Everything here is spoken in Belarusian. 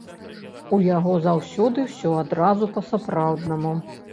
У яго заўсёды ўсё адразу па-сапраўднаму.